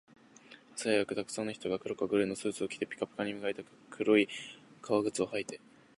朝早く、沢山の人が黒かグレーのスーツを着て、ピカピカに磨いた黒い革靴を履いて